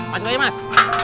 masuk aja mas